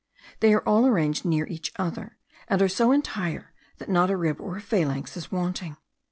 They are all ranged near each other, and are so entire that not a rib or a phalanx is wanting.